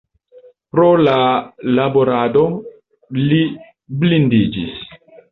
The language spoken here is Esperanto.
Pro la laborado li blindiĝis.